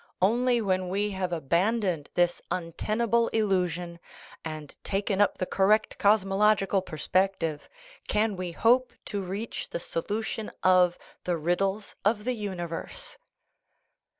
Only when we have abandoned this untenable illusion, and taken up the correct cosmological perspec tive, can we hope to reach the solution of the " riddles of the universe."